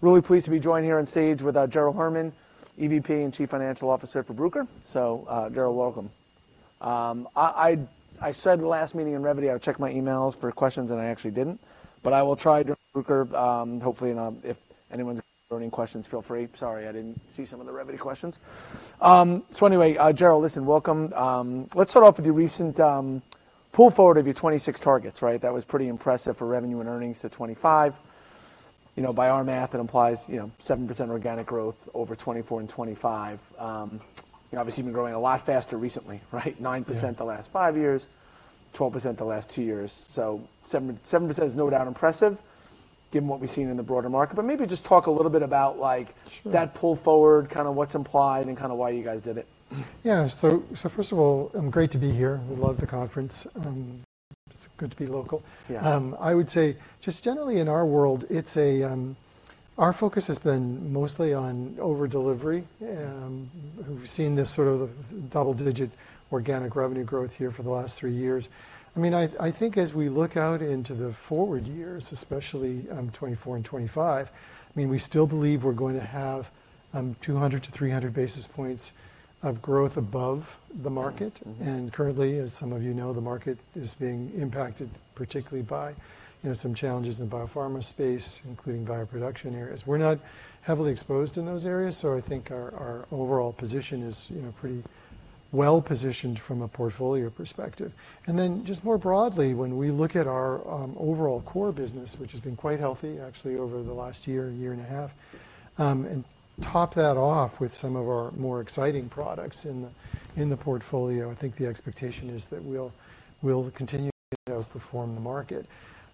Really pleased to be joined here on stage with Gerald Herman, EVP and Chief Financial Officer for Bruker. So, Gerald, welcome. I said last meeting in Revvity I would check my emails for questions, and I actually didn't. But I will try during Bruker, hopefully, and I'll see if anyone's got questions, feel free. Sorry, I didn't see some of the Revvity questions. So anyway, Gerald, listen, welcome. Let's start off with your recent pull forward of your 2026 targets, right? That was pretty impressive for revenue and earnings to 2025. You know, by our math, it implies, you know, 7% organic growth over 2024 and 2025. You know, obviously you've been growing a lot faster recently, right? 9% the last five years, 12% the last two years. So 7% is no doubt impressive, given what we've seen in the broader market. But maybe just talk a little bit about, like. Sure. That pull forward, kind of what's implied, and kind of why you guys did it. Yeah. So, first of all, great to be here. We love the conference. It's good to be local. Yeah. I would say just generally in our world, it's a, our focus has been mostly on overdelivery. We've seen this sort of the double-digit organic revenue growth here for the last three years. I mean, I think as we look out into the forward years, especially, 2024 and 2025, I mean, we still believe we're going to have 200-300 basis points of growth above the market. And currently, as some of you know, the market is being impacted particularly by, you know, some challenges in the biopharma space, including bioproduction areas. We're not heavily exposed in those areas, so I think our overall position is, you know, pretty well-positioned from a portfolio perspective. Then just more broadly, when we look at our overall core business, which has been quite healthy actually over the last year, year and a half, and top that off with some of our more exciting products in the portfolio, I think the expectation is that we'll continue, you know, to perform the market.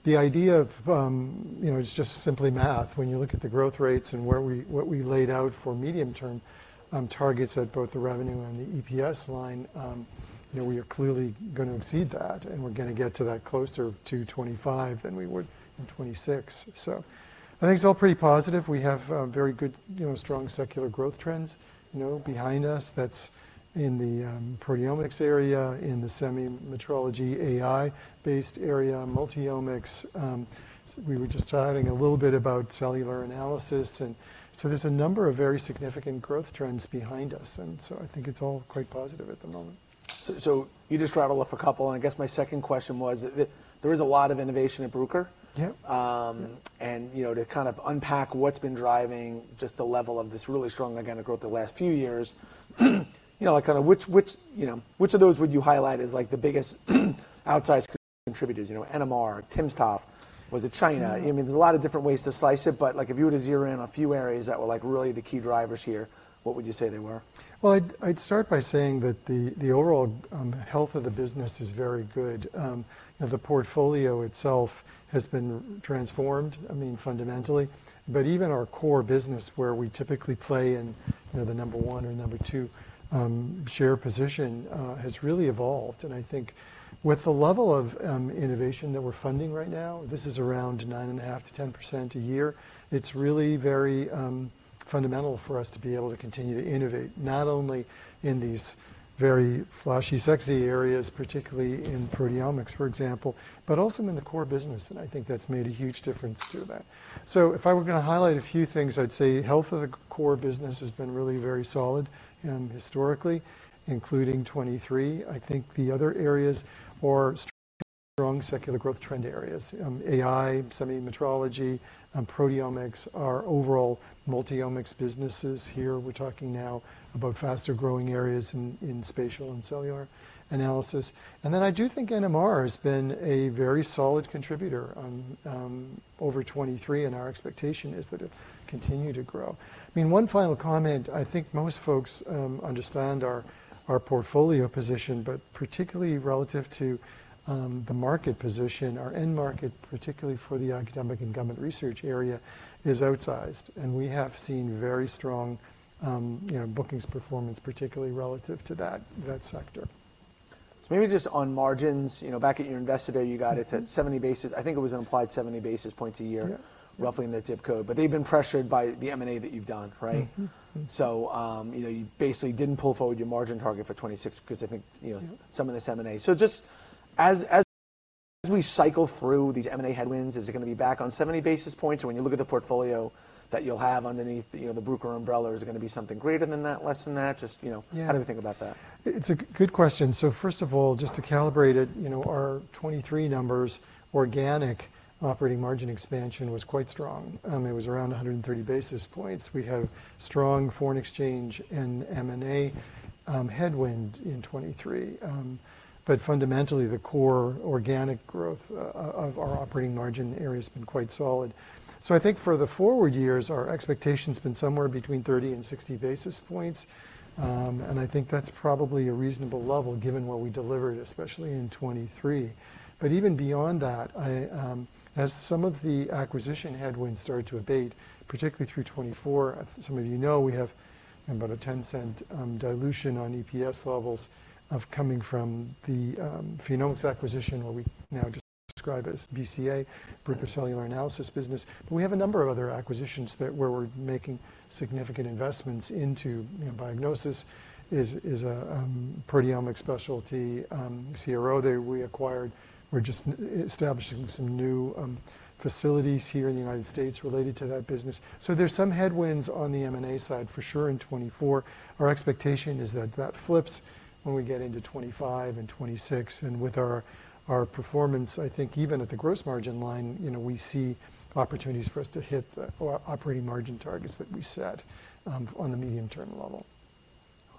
The idea of, you know, it's just simply math. When you look at the growth rates and where we laid out for medium-term targets at both the revenue and the EPS line, you know, we are clearly gonna exceed that, and we're gonna get to that closer to 2025 than we would in 2026. So I think it's all pretty positive. We have very good, you know, strong secular growth trends, you know, behind us. That's in the proteomics area, in the semi-metrology AI-based area, multiomics. We were just chatting a little bit about cellular analysis. And so there's a number of very significant growth trends behind us, and so I think it's all quite positive at the moment. You just rattled off a couple. I guess my second question was that there is a lot of innovation at Bruker. Yep. You know, to kind of unpack what's been driving just the level of this really strong organic growth the last few years, you know, like, kind of which of those would you highlight as, like, the biggest outsized contributors? You know, NMR, timsTOF, was it China? I mean, there's a lot of different ways to slice it, but, like, if you were to zero in on a few areas that were, like, really the key drivers here, what would you say they were? Well, I'd start by saying that the overall health of the business is very good. You know, the portfolio itself has been transformed, I mean, fundamentally. But even our core business, where we typically play in, you know, the number one or number two share position, has really evolved. And I think with the level of innovation that we're funding right now, this is around 9.5%-10% a year. It's really very fundamental for us to be able to continue to innovate, not only in these very flashy, sexy areas, particularly in proteomics, for example, but also in the core business. And I think that's made a huge difference to that. So if I were gonna highlight a few things, I'd say health of the core business has been really very solid, historically, including 2023. I think the other areas are strong secular growth trend areas. AI, semi-metrology, proteomics are overall multiomics businesses here. We're talking now about faster-growing areas in spatial and cellular analysis. And then I do think NMR has been a very solid contributor over 2023, and our expectation is that it'll continue to grow. I mean, one final comment. I think most folks understand our portfolio position, but particularly relative to the market position, our end market, particularly for the academic and government research area, is outsized. And we have seen very strong, you know, bookings performance, particularly relative to that sector. Maybe just on margins. You know, back at your Investor Day, you got it to 70 basis. I think it was an implied 70 basis points a year. Yeah. Roughly in the zip code. But they've been pressured by the M&A that you've done, right? Mm-hmm. So, you know, you basically didn't pull forward your margin target for 2026 because I think, you know, some of this M&A, so just as we cycle through these M&A headwinds, is it gonna be back on 70 basis points? Or when you look at the portfolio that you'll have underneath, you know, the Bruker umbrella, is it gonna be something greater than that, less than that? Just, you know. Yeah. How do we think about that? It's a good question. So first of all, just to calibrate it, you know, our 2023 numbers, organic operating margin expansion was quite strong. It was around 130 basis points. We have strong foreign exchange and M&A headwinds in 2023. But fundamentally, the core organic growth of our operating margin area has been quite solid. So I think for the forward years, our expectation's been somewhere between 30 and 60 basis points. And I think that's probably a reasonable level given what we delivered, especially in 2023. But even beyond that, as some of the acquisition headwinds start to abate, particularly through 2024, as some of you know, we have about a $0.10 dilution on EPS levels coming from the PhenomeX acquisition, what we now describe as BCA, Bruker Cellular Analysis business. But we have a number of other acquisitions that we're making significant investments into, you know, diagnostics is a proteomics specialty CRO that we acquired. We're just establishing some new facilities here in the United States related to that business. So there's some headwinds on the M&A side for sure in 2024. Our expectation is that that flips when we get into 2025 and 2026. And with our performance, I think even at the gross margin line, you know, we see opportunities for us to hit the operating margin targets that we set on the medium-term level.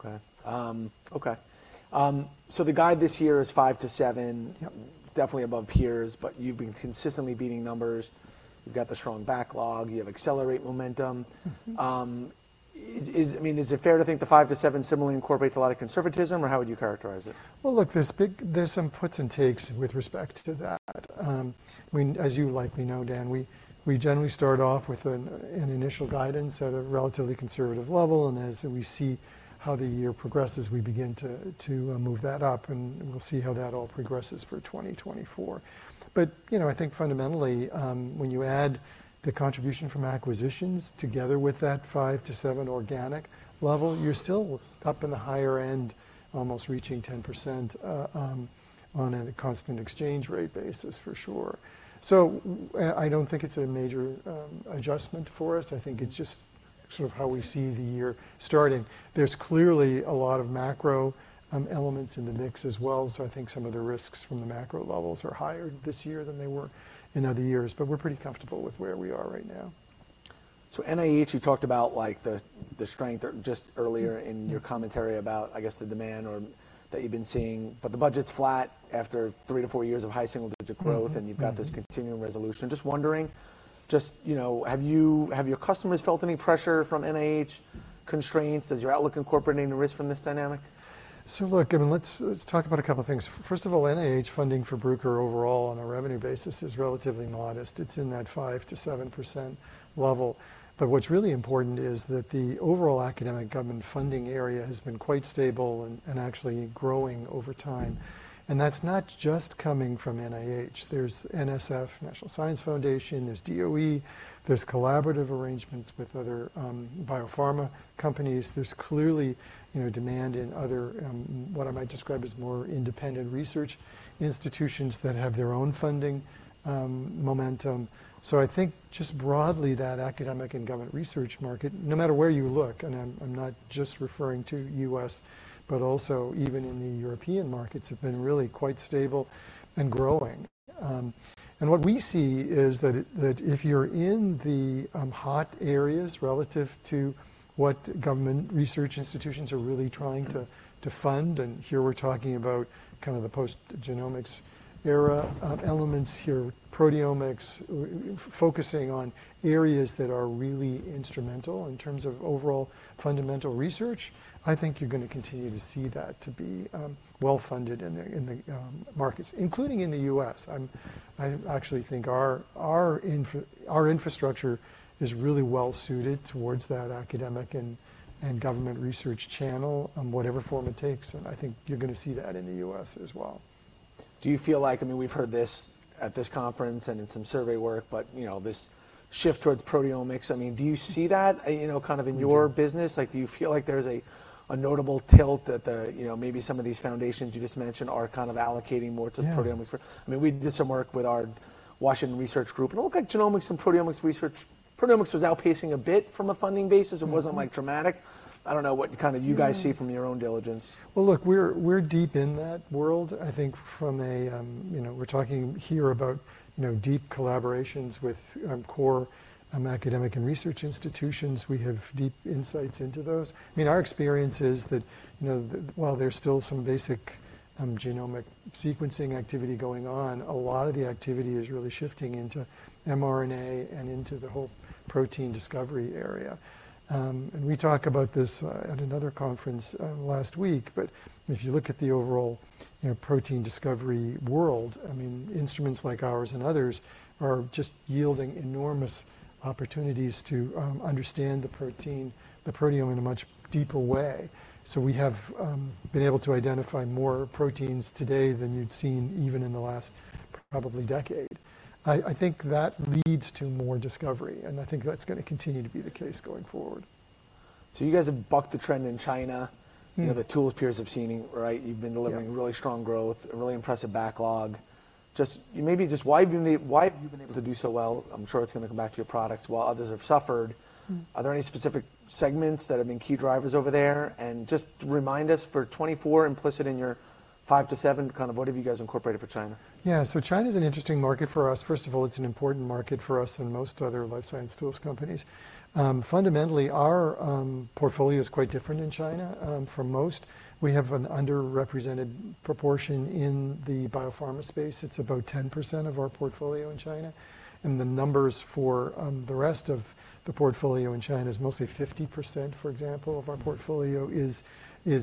Okay, the guide this year is 5%-7%. Yep. Definitely above peers, but you've been consistently beating numbers. You've got the strong backlog. You have accelerated momentum. Mm-hmm. I mean, is it fair to think the 5%-7% similarly incorporates a lot of conservatism, or how would you characterize it? Well, look, there's some puts and takes with respect to that. I mean, as you likely know, Dan, we generally start off with an initial guidance at a relatively conservative level. And as we see how the year progresses, we begin to move that up, and we'll see how that all progresses for 2024. But, you know, I think fundamentally, when you add the contribution from acquisitions together with that 5%-7% organic level, you're still up in the higher end, almost reaching 10%, on a constant exchange rate basis for sure. So I don't think it's a major adjustment for us. I think it's just sort of how we see the year starting. There's clearly a lot of macro elements in the mix as well. I think some of the risks from the macro levels are higher this year than they were in other years. We're pretty comfortable with where we are right now. So NIH, you talked about, like, the strength or just earlier in your commentary about, I guess, the demand or that you've been seeing. But the budget's flat after three to four years of high single-digit growth, and you've got this continuing resolution. Just wondering, just, you know, have your customers felt any pressure from NIH constraints as your outlook incorporating the risk from this dynamic? So look, I mean, let's, let's talk about a couple of things. First of all, NIH funding for Bruker overall on a revenue basis is relatively modest. It's in that 5%-7% level. But what's really important is that the overall academic government funding area has been quite stable and actually growing over time. And that's not just coming from NIH. There's NSF, National Science Foundation. There's DOE. There's collaborative arrangements with other biopharma companies. There's clearly, you know, demand in other what I might describe as more independent research institutions that have their own funding momentum. So I think just broadly, that academic and government research market, no matter where you look and I'm not just referring to U.S., but also even in the European markets, have been really quite stable and growing. What we see is that, that if you're in the hot areas relative to what government research institutions are really trying to fund and here, we're talking about kind of the post-genomics era elements here, proteomics, focusing on areas that are really instrumental in terms of overall fundamental research, I think you're gonna continue to see that to be well-funded in the markets, including in the U.S. I actually think our infrastructure is really well-suited towards that academic and government research channel, whatever form it takes. And I think you're gonna see that in the U.S. as well. Do you feel like I mean, we've heard this at this conference and in some survey work, but, you know, this shift towards proteomics? I mean, do you see that, you know, kind of in your business? Like, do you feel like there's a notable tilt that the, you know, maybe some of these foundations you just mentioned are kind of allocating more to proteomics for? Yeah. I mean, we did some work with our Washington Research Group, and it looked like genomics and proteomics research proteomics was outpacing a bit from a funding basis. It wasn't, like, dramatic. I don't know what kind of you guys see from your own diligence. Well, look, we're, we're deep in that world. I think from a, you know, we're talking here about, you know, deep collaborations with core academic and research institutions. We have deep insights into those. I mean, our experience is that, you know, while there's still some basic genomic sequencing activity going on, a lot of the activity is really shifting into mRNA and into the whole protein discovery area. We talk about this at another conference last week. But if you look at the overall, you know, protein discovery world, I mean, instruments like ours and others are just yielding enormous opportunities to understand the protein, the proteome, in a much deeper way. So we have been able to identify more proteins today than you'd seen even in the last probably decade. I think that leads to more discovery, and I think that's gonna continue to be the case going forward. You guys have bucked the trend in China. Mm-hmm. You know, the tool peers have seen it, right? You've been delivering really strong growth, a really impressive backlog. Just why have you been able to do so well? I'm sure it's gonna come back to your products while others have suffered. Are there any specific segments that have been key drivers over there? And just remind us, for 2024, implicit in your 5%-7%, kind of what have you guys incorporated for China? Yeah. So China's an interesting market for us. First of all, it's an important market for us and most other life science tools companies. Fundamentally, our portfolio is quite different in China from most. We have an underrepresented proportion in the biopharma space. It's about 10% of our portfolio in China. And the numbers for the rest of the portfolio in China is mostly 50%, for example, of our portfolio is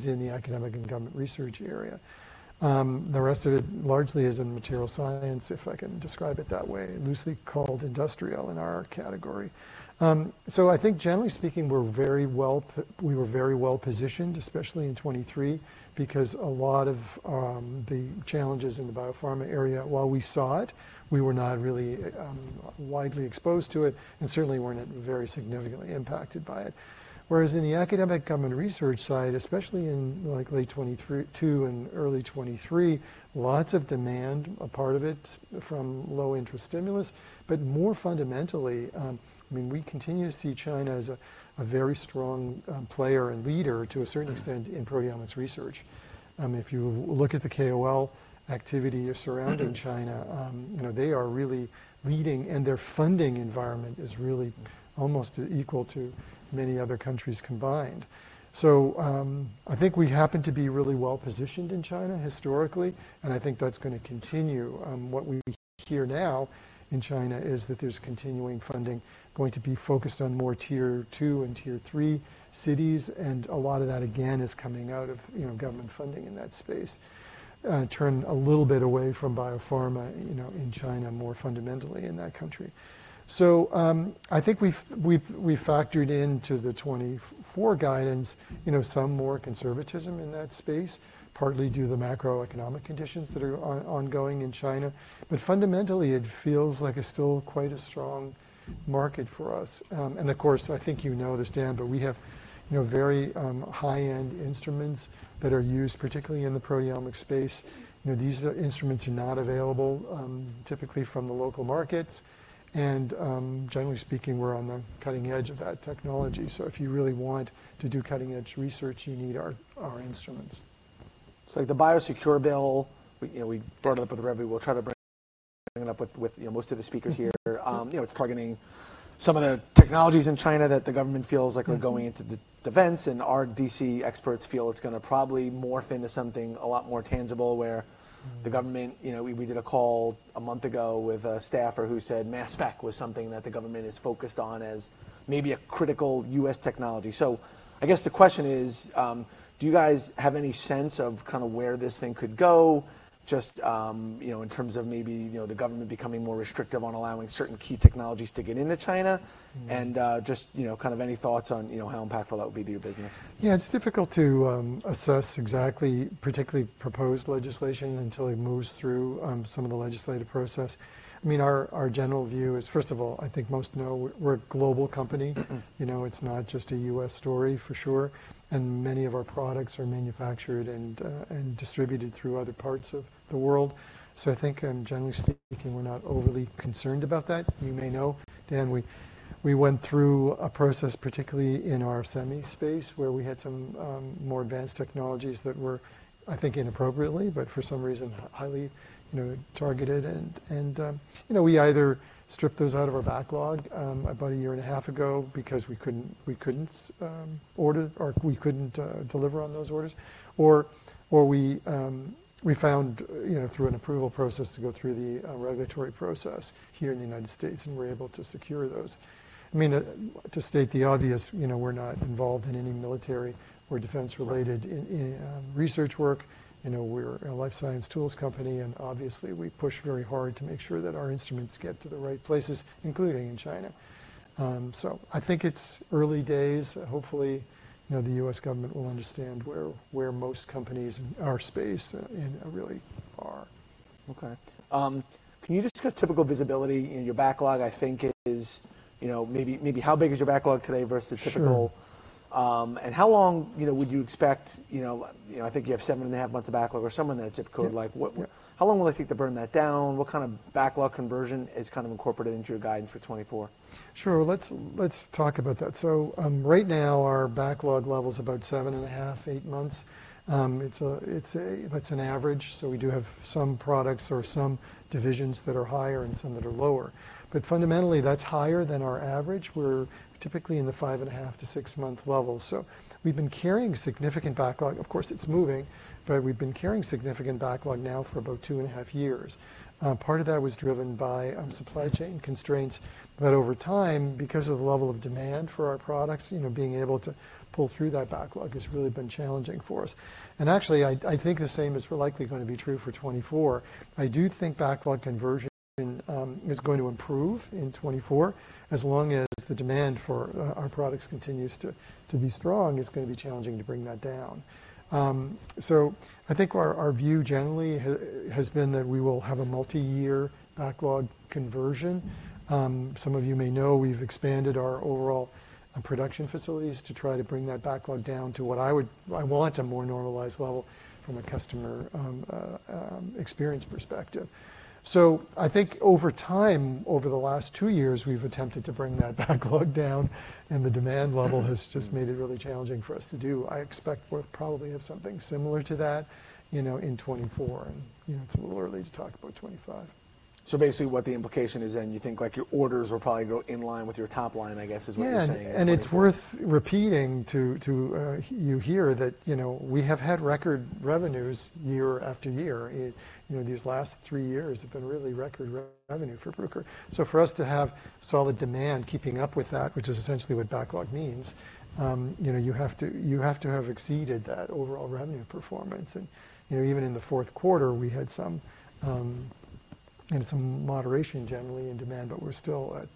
in the academic and government research area. The rest of it largely is in material science, if I can describe it that way, loosely called industrial in our category. So I think, generally speaking, we were very well-positioned, especially in 2023, because a lot of the challenges in the biopharma area, while we saw it, we were not really widely exposed to it and certainly weren't very significantly impacted by it. Whereas in the academic government research side, especially in, like, late 2023 and early 2023, lots of demand, a part of it from low-interest stimulus. But more fundamentally, I mean, we continue to see China as a, a very strong, player and leader to a certain extent in proteomics research. If you look at the KOL activity surrounding China, you know, they are really leading, and their funding environment is really almost equal to many other countries combined. So, I think we happen to be really well-positioned in China historically, and I think that's gonna continue. What we hear now in China is that there's continuing funding going to be focused on more tier two and tier three cities. And a lot of that, again, is coming out of, you know, government funding in that space. Turn a little bit away from biopharma, you know, in China more fundamentally in that country. So, I think we've factored into the 2024 guidance, you know, some more conservatism in that space, partly due to the macroeconomic conditions that are ongoing in China. But fundamentally, it feels like it's still quite a strong market for us. And of course, I think you know this, Dan, but we have, you know, very high-end instruments that are used particularly in the proteomics space. You know, these instruments are not available, typically from the local markets. And generally speaking, we're on the cutting edge of that technology. So if you really want to do cutting-edge research, you need our instruments. So like the Biosecure Bill, we, you know, we brought it up with Revity. We'll try to bring it up with, with, you know, most of the speakers here. You know, it's targeting some of the technologies in China that the government feels like are going into defense. And our D.C. experts feel it's gonna probably morph into something a lot more tangible where the government, you know, did a call a month ago with a staffer who said mass spec was something that the government is focused on as maybe a critical U.S. technology. So I guess the question is, do you guys have any sense of kind of where this thing could go, just, you know, in terms of maybe, you know, the government becoming more restrictive on allowing certain key technologies to get into China? Just, you know, kind of any thoughts on, you know, how impactful that would be to your business? Yeah. It's difficult to assess exactly, particularly proposed legislation until it moves through some of the legislative process. I mean, our general view is first of all, I think most know we're a global company. You know, it's not just a U.S. story for sure. And many of our products are manufactured and distributed through other parts of the world. So I think, generally speaking, we're not overly concerned about that. You may know, Dan, we went through a process, particularly in our semi space, where we had some more advanced technologies that were, I think, inappropriately, but for some reason, highly, you know, targeted. And, you know, we either stripped those out of our backlog about a year and a half ago because we couldn't order or we couldn't deliver on those orders. Or we found, you know, through an approval process to go through the regulatory process here in the United States, and we're able to secure those. I mean, to state the obvious, you know, we're not involved in any military or defense-related research work. You know, we're a life science tools company. And obviously, we push very hard to make sure that our instruments get to the right places, including in China. So I think it's early days. Hopefully, you know, the U.S. government will understand where most companies in our space, you know, really are. Okay. Can you discuss typical visibility? You know, your backlog, I think, is, you know, maybe, maybe how big is your backlog today versus typical? Sure. how long, you know, would you expect, you know, you know, I think you have seven and a half months of backlog or something on that zip code. Like, what, what how long will it take to burn that down? What kind of backlog conversion is kind of incorporated into your guidance for 2024? Sure. Let's talk about that. So, right now, our backlog level's about seven and a half, eight months. It's an average. So we do have some products or some divisions that are higher and some that are lower. But fundamentally, that's higher than our average. We're typically in the five and a half, six-month level. So we've been carrying significant backlog. Of course, it's moving, but we've been carrying significant backlog now for about two and a half years. Part of that was driven by supply chain constraints. But over time, because of the level of demand for our products, you know, being able to pull through that backlog has really been challenging for us. And actually, I think the same is likely gonna be true for 2024. I do think backlog conversion is going to improve in 2024. As long as the demand for our products continues to be strong, it's gonna be challenging to bring that down. So I think our view generally has been that we will have a multi-year backlog conversion. Some of you may know we've expanded our overall production facilities to try to bring that backlog down to what I would want a more normalized level from a customer experience perspective. So I think over time, over the last two years, we've attempted to bring that backlog down, and the demand level has just made it really challenging for us to do. I expect we'll probably have something similar to that, you know, in 2024. You know, it's a little early to talk about 2025. So basically, what the implication is then, you think, like, your orders will probably go in line with your top line, I guess, is what you're saying? Yeah. And it's worth repeating too. You hear that, you know, we have had record revenues year after year. You know, these last three years have been really record revenue for Bruker. So for us to have solid demand keeping up with that, which is essentially what backlog means, you know, you have to have exceeded that overall revenue performance. And, you know, even in the fourth quarter, we had some, you know, some moderation generally in demand, but we're still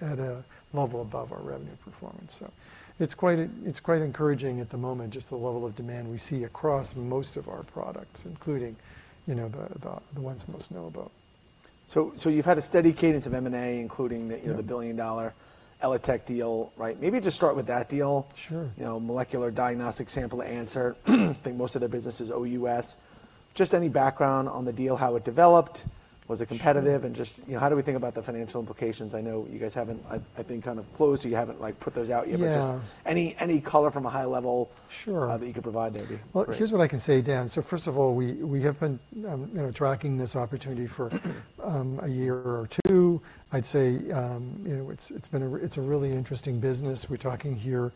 at a level above our revenue performance. So it's quite encouraging at the moment, just the level of demand we see across most of our products, including, you know, the ones most know about. So, you've had a steady cadence of M&A, including the, you know, the billion-dollar ELITech deal, right? Maybe just start with that deal. Sure. You know, molecular diagnostic sample to answer. I think most of their business is OUS. Just any background on the deal, how it developed, was it competitive, and just, you know, how do we think about the financial implications? I know you guys haven't, I think, kind of closed, so you haven't, like, put those out yet. But just any, any color from a high level. Sure. that you could provide there. Well, here's what I can say, Dan. So first of all, we have been, you know, tracking this opportunity for a year or two. I'd say, you know, it's been a really interesting business. We're talking here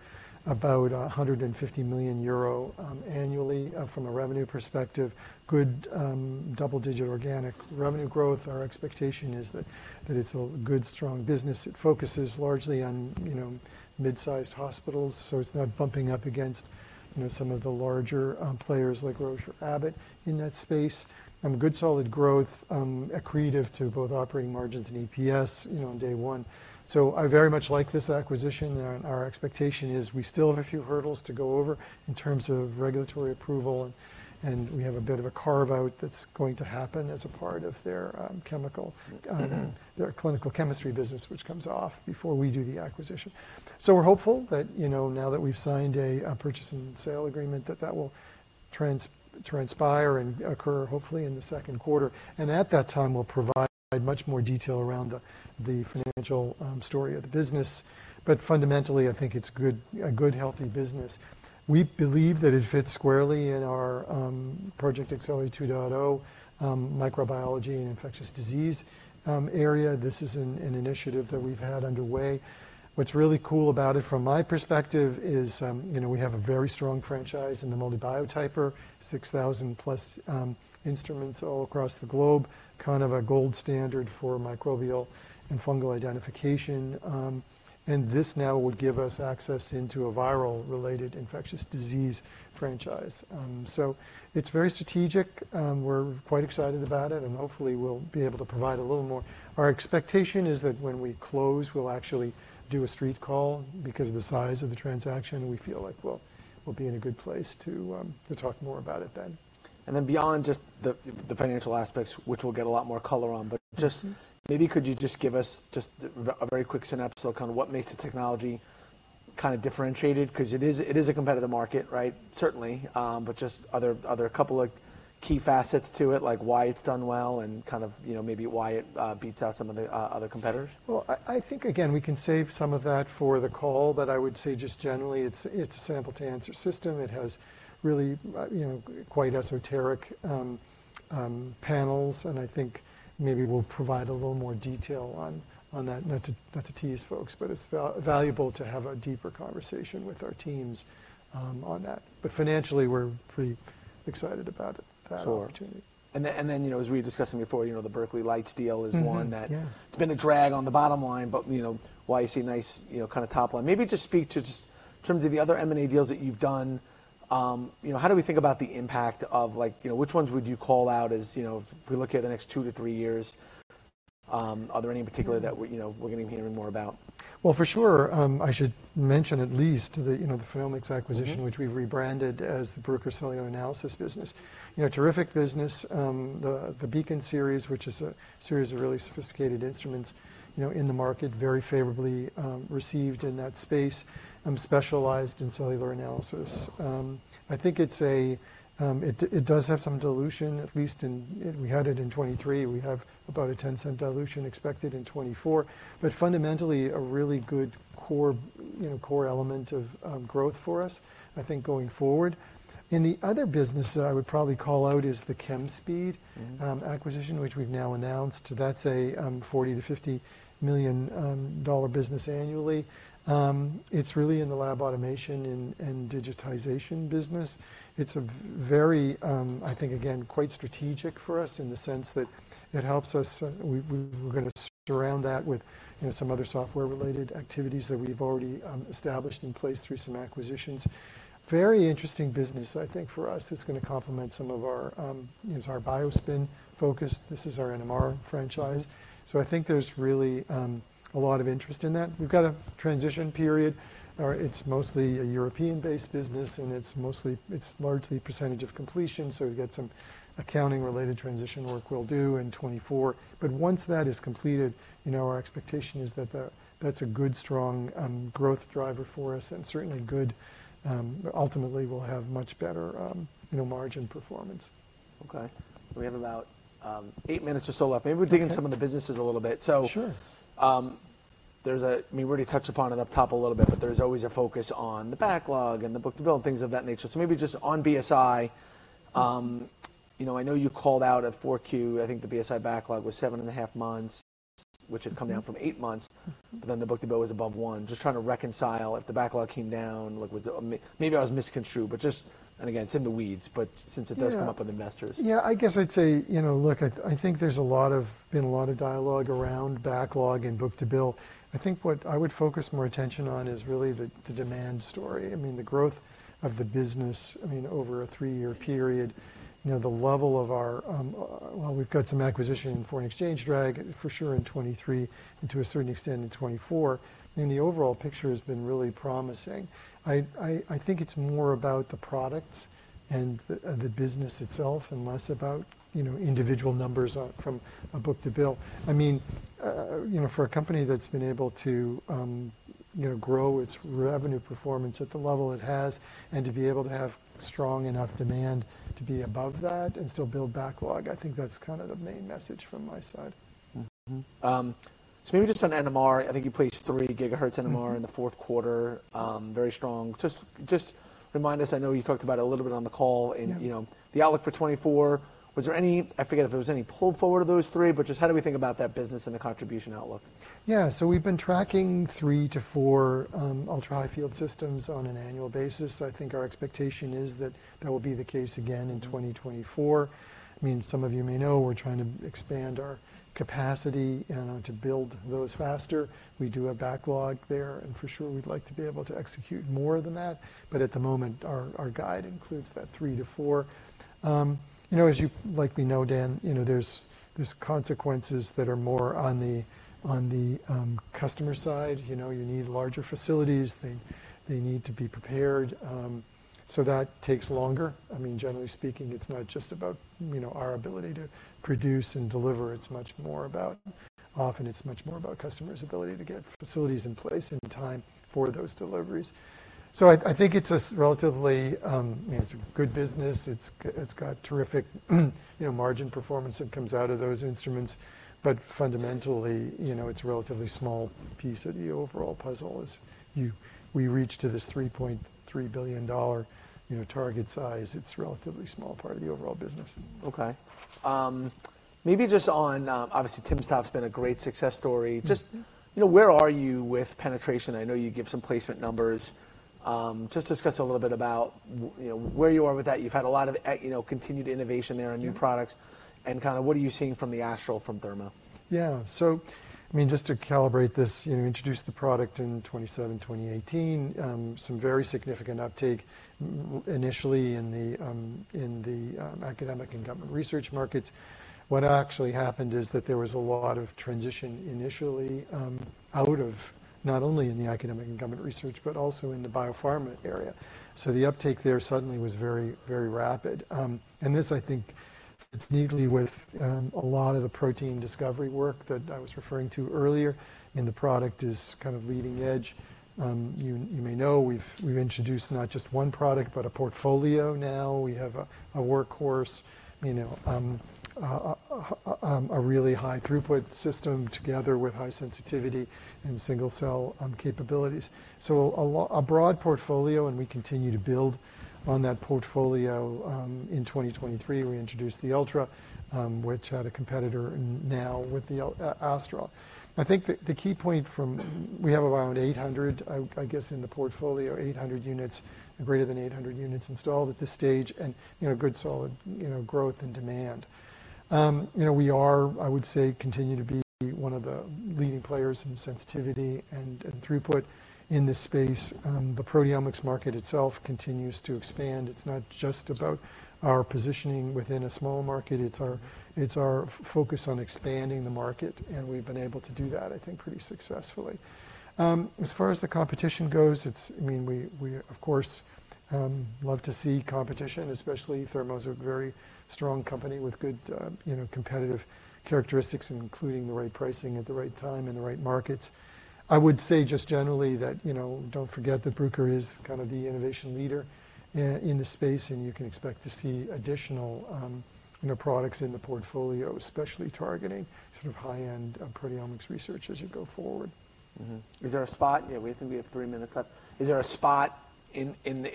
about 150 million euro annually from a revenue perspective. Good, double-digit organic revenue growth. Our expectation is that it's a good, strong business. It focuses largely on, you know, midsized hospitals. So it's not bumping up against, you know, some of the larger players like Roche or Abbott in that space. Good solid growth, accretive to both operating margins and EPS, you know, on day one. So I very much like this acquisition. And our expectation is we still have a few hurdles to go over in terms of regulatory approval. We have a bit of a carve-out that's going to happen as a part of their chemical, their clinical chemistry business, which comes off before we do the acquisition. So we're hopeful that, you know, now that we've signed a purchase and sale agreement, that that will transpire and occur, hopefully, in the second quarter. And at that time, we'll provide much more detail around the financial story of the business. But fundamentally, I think it's a good, healthy business. We believe that it fits squarely in our Project Accelerate 2.0 microbiology and infectious disease area. This is an initiative that we've had underway. What's really cool about it from my perspective is, you know, we have a very strong franchise in the MALDI Biotyper, 6,000+ instruments all across the globe, kind of a gold standard for microbial and fungal identification. This now would give us access into a viral-related infectious disease franchise. So it's very strategic. We're quite excited about it, and hopefully, we'll be able to provide a little more. Our expectation is that when we close, we'll actually do a Street call because of the size of the transaction. We feel like we'll, we'll be in a good place to, to talk more about it then. And then beyond just the financial aspects, which we'll get a lot more color on, but just maybe could you just give us just a very quick synopsis, kind of what makes the technology kind of differentiated? 'Cause it is a competitive market, right? Certainly, but just other couple of key facets to it, like why it's done well and kind of, you know, maybe why it beats out some of the other competitors? Well, I think, again, we can save some of that for the call. But I would say just generally, it's a sample-to-answer system. It has really, you know, quite esoteric panels. And I think maybe we'll provide a little more detail on that. Not to tease folks, but it's valuable to have a deeper conversation with our teams on that. But financially, we're pretty excited about that opportunity. Sure. And then, you know, as we were discussing before, you know, the Berkeley Lights deal is one that it's been a drag on the bottom line, but, you know, why you see a nice, you know, kind of top line. Maybe just speak to just in terms of the other M&A deals that you've done. You know, how do we think about the impact of, like, you know, which ones would you call out as, you know, if we look at the next two to three years? Are there any in particular that we're, you know, gonna be hearing more about? Well, for sure, I should mention at least the, you know, the PhenomeX acquisition, which we've rebranded as the Bruker Cellular Analysis business. You know, terrific business. The Beacon series, which is a series of really sophisticated instruments, you know, in the market, very favorably received in that space, specialized in cellular analysis. I think it's a, it, it does have some dilution, at least in we had it in 2023. We have about a $0.10 dilution expected in 2024. But fundamentally, a really good core, you know, core element of growth for us, I think, going forward. In the other business that I would probably call out is the Chemspeed acquisition, which we've now announced. That's a $40 million-$50 million business annually. It's really in the lab automation and digitization business. It's a very, I think, again, quite strategic for us in the sense that it helps us we, we're gonna surround that with, you know, some other software-related activities that we've already established in place through some acquisitions. Very interesting business, I think, for us. It's gonna complement some of our, you know, it's our BioSpin-focused. This is our NMR franchise. So I think there's really a lot of interest in that. We've got a transition period. It's mostly a European-based business, and it's mostly it's largely percentage of completion. So we've got some accounting-related transition work we'll do in 2024. But once that is completed, you know, our expectation is that the that's a good, strong, growth driver for us and certainly good, ultimately, we'll have much better, you know, margin performance. Okay. We have about eight minutes or so left. Maybe we dig into some of the businesses a little bit. So. Sure. There's a—I mean, we already touched upon it up top a little bit, but there's always a focus on the backlog and the book-to-bill and things of that nature. So maybe just on BSI, you know, I know you called out at 4Q, I think the BSI backlog was seven and a half months, which had come down from eight months. But then the book-to-bill was above 1. Just trying to reconcile if the backlog came down, like, was it maybe I was misconstrued, but just and again, it's in the weeds. But since it does come up with investors. Yeah. I guess I'd say, you know, look, I think there's been a lot of dialogue around backlog and book to bill. I think what I would focus more attention on is really the demand story. I mean, the growth of the business, I mean, over a three-year period, you know, the level of our, well, we've got some acquisition in foreign exchange drag, for sure, in 2023 and to a certain extent in 2024. I mean, the overall picture has been really promising. I think it's more about the products and the business itself and less about, you know, individual numbers from a book-to-bill. I mean, you know, for a company that's been able to, you know, grow its revenue performance at the level it has and to be able to have strong enough demand to be above that and still build backlog. I think that's kind of the main message from my side. So maybe just on NMR. I think you placed 3 GHz NMR in the fourth quarter, very strong. Just, just remind us. I know you talked about it a little bit on the call. And, you know, the outlook for 2024, was there any, I forget if it was any pull forward of those three, but just how do we think about that business and the contribution outlook? Yeah. So we've been tracking three to four ultra-high-field systems on an annual basis. I think our expectation is that that will be the case again in 2024. I mean, some of you may know we're trying to expand our capacity, you know, to build those faster. We do have backlog there, and for sure, we'd like to be able to execute more than that. But at the moment, our guide includes that three to four. You know, as you likely know, Dan, you know, there's consequences that are more on the customer side. You know, you need larger facilities. They need to be prepared. So that takes longer. I mean, generally speaking, it's not just about, you know, our ability to produce and deliver. It's much more about, often, it's much more about customers' ability to get facilities in place and time for those deliveries. So I think it's a relatively, I mean, it's a good business. It's got terrific, you know, margin performance that comes out of those instruments. But fundamentally, you know, it's a relatively small piece of the overall puzzle. As we reach this $3.3 billion, you know, target size, it's a relatively small part of the overall business. Okay. Maybe just on, obviously, timsTOF's been a great success story. Just, you know, where are you with penetration? I know you give some placement numbers. Just discuss a little bit about, you know, where you are with that. You've had a lot of, you know, continued innovation there on new products. And kind of what are you seeing from the Astral from Thermo? Yeah. So, I mean, just to calibrate this, you know, we introduced the product in 2017, 2018, some very significant uptake initially in the academic and government research markets. What actually happened is that there was a lot of traction initially, not only in the academic and government research but also in the biopharma area. So the uptake there suddenly was very, very rapid. This, I think, fits neatly with a lot of the protein discovery work that I was referring to earlier. And the product is kind of leading edge. You may know we've introduced not just one product but a portfolio now. We have a workhorse, you know, a really high-throughput system together with high sensitivity and single-cell capabilities. So a broad portfolio. And we continue to build on that portfolio. In 2023, we introduced the Ultra, which had a competitor now with the Astral. I think the key point is we have around 800, I guess, in the portfolio, 800 units and greater than 800 units installed at this stage and, you know, good solid, you know, growth and demand. You know, we are, I would say, continue to be one of the leading players in sensitivity and throughput in this space. The proteomics market itself continues to expand. It's not just about our positioning within a small market. It's our focus on expanding the market. And we've been able to do that, I think, pretty successfully. As far as the competition goes, it's, I mean, we, of course, love to see competition, especially Thermo's a very strong company with good, you know, competitive characteristics, including the right pricing at the right time in the right markets. I would say just generally that, you know, don't forget that Bruker is kind of the innovation leader in the space. And you can expect to see additional, you know, products in the portfolio, especially targeting sort of high-end proteomics research as you go forward. Is there a spot? Yeah. We think we have three minutes left. Is there a spot in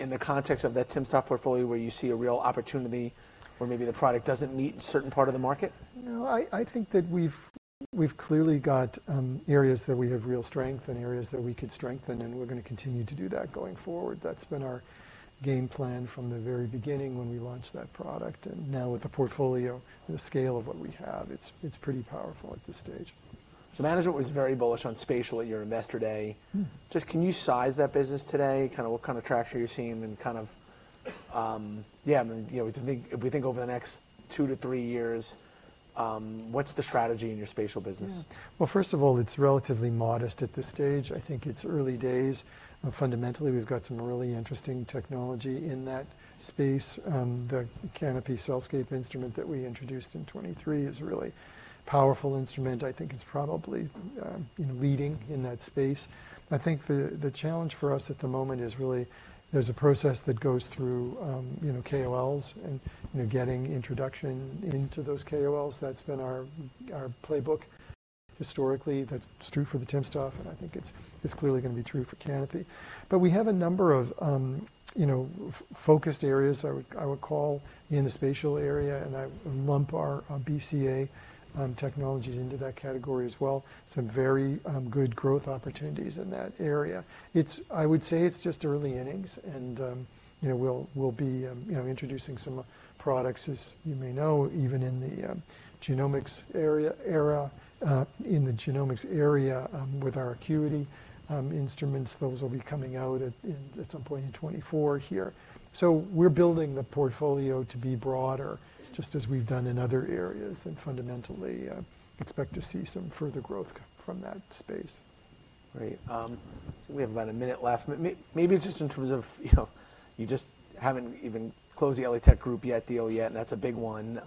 the context of that timsTOF portfolio where you see a real opportunity where maybe the product doesn't meet in certain part of the market? No. I think that we've clearly got areas that we have real strength and areas that we could strengthen. And we're gonna continue to do that going forward. That's been our game plan from the very beginning when we launched that product. And now with the portfolio and the scale of what we have, it's pretty powerful at this stage. So management was very bullish on spatial at your investor day. Just, can you size that business today? Kind of, what kind of traction are you seeing and kind of, yeah. I mean, you know, if you think if we think over the next two to three years, what's the strategy in your spatial business? Well, first of all, it's relatively modest at this stage. I think it's early days. Fundamentally, we've got some really interesting technology in that space. The Canopy CellScape instrument that we introduced in 2023 is a really powerful instrument. I think it's probably, you know, leading in that space. I think the challenge for us at the moment is really there's a process that goes through, you know, KOLs and, you know, getting introduction into those KOLs. That's been our playbook historically. That's true for the timsTOF stuff. And I think it's clearly gonna be true for Canopy. But we have a number of, you know, focused areas I would call in the spatial area. And I lump our BCA technologies into that category as well. Some very good growth opportunities in that area. I would say it's just early innings. You know, we'll be, you know, introducing some products, as you may know, even in the genomics area era, in the genomics area, with our Acuity instruments. Those will be coming out at some point in 2024 here. So we're building the portfolio to be broader just as we've done in other areas. And fundamentally, expect to see some further growth from that space. Great. So we have about a minute left. Maybe just in terms of, you know, you just haven't even closed the ELITechGroup deal yet. And that's a big one.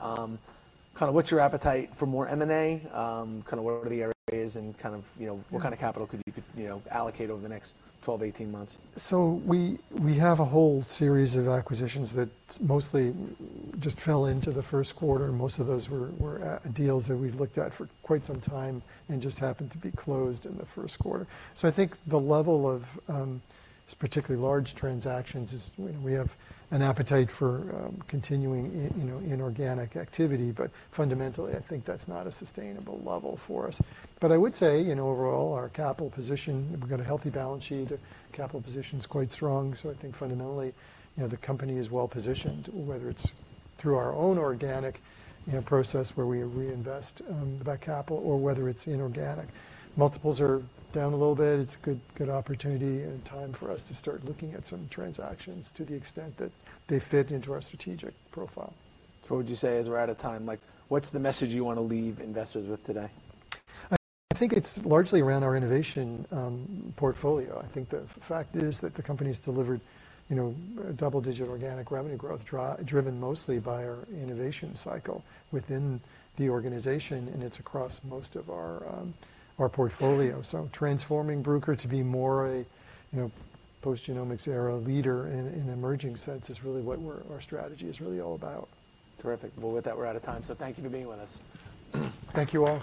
Kind of, what's your appetite for more M&A? Kind of, what are the areas and kind of, you know, what kind of capital could you, you know, allocate over the next 12, 18 months? So we have a whole series of acquisitions that mostly just fell into the first quarter. Most of those were deals that we've looked at for quite some time and just happened to be closed in the first quarter. So I think the level of particularly large transactions is, you know, we have an appetite for continuing, you know, inorganic activity. But fundamentally, I think that's not a sustainable level for us. But I would say, you know, overall, our capital position we've got a healthy balance sheet. Capital position's quite strong. So I think fundamentally, you know, the company is well-positioned, whether it's through our own organic, you know, process where we reinvest that capital or whether it's inorganic. Multiples are down a little bit. It's a good, good opportunity and time for us to start looking at some transactions to the extent that they fit into our strategic profile. So, would you say we're out of time? Like, what's the message you wanna leave investors with today? I think it's largely around our innovation portfolio. I think the fact is that the company's delivered, you know, double-digit organic revenue growth driven mostly by our innovation cycle within the organization. And it's across most of our portfolio. So transforming Bruker to be more a, you know, post-genomics era leader in emerging sciences is really what our strategy is really all about. Terrific. Well, with that, we're out of time. So thank you for being with us. Thank you all.